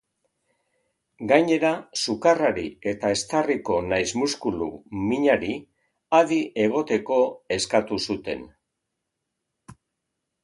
Gainera, sukarrari eta eztarriko nahiz muskulu minari adi egoteko eskatu diete gurasoei.